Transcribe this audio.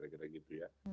jalan kaki sepeda